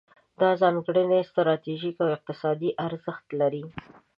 دا ځانګړی ستراتیژیکي او اقتصادي ارزښت لري.